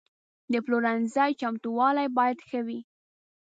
د پلورنځي چمتووالی باید ښه وي.